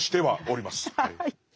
はい。